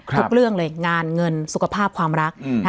เรื่องเลยงานเงินสุขภาพความรัก